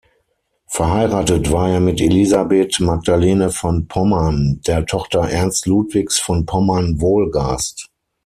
Verheiratet war er mit Elisabeth Magdalena von Pommern, der Tochter Ernst Ludwigs von Pommern-Wolgast.